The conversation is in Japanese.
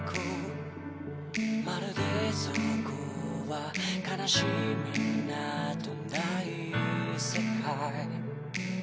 「まるでそこは悲しみなどない世界」